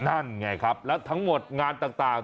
นั่นไงครับแล้วทั้งหมดงานต่าง